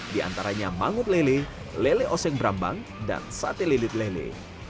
di antaranya mangut lele lele oseng brambang dan sate lilit lele